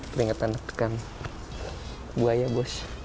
keringetan tekan buaya bos